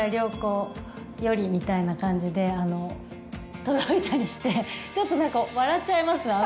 みたいな感じで届いたりしてちょっと何か笑っちゃいます